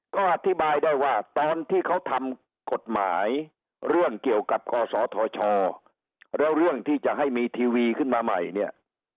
ก็อธิบายได้ว่าตอนที่เขาทำกฎหมายเรื่องเกี่ยวกับกศธชแล้วเรื่องที่จะให้มีทีวีขึ้นมาใหม่เนี่ย